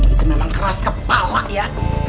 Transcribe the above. itu memang keras kepala ya